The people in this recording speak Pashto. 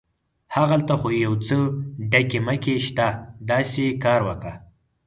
هغلته خو یو څه ډکي مکي شته، داسې کار وکه.